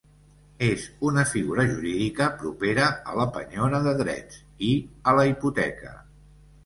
És una figura jurídica propera a la penyora de drets i a la hipoteca.